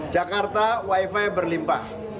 jakarta wifi berlimpah